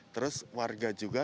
terus warga juga